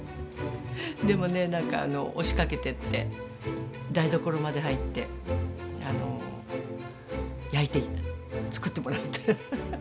でもねなんか押しかけてって台所まで入ってつくってもらうってアハハハ。